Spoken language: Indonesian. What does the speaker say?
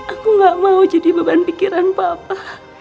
aku gak mau jadi beban pikiran papa